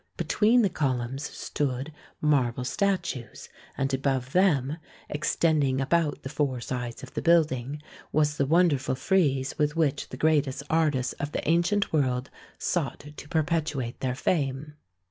Between the columns stood marble statues, and above them, extending about the four sides of the building, was the wonderful frieze with which the greatest artists of the ancient world sought to perpetuate their fame.